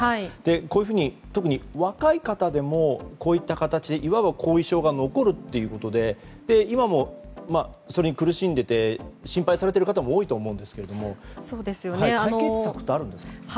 こういうふうに若い方でもこういった形でいわば後遺症が残るということで今もそれに苦しんでいて心配されている方も多いと思うんですが解決策ってあるんですか。